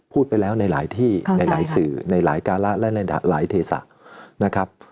พูดไปแล้วในหลายที่หลายสื่อในหลายการะและในหลายเทศะนะครับ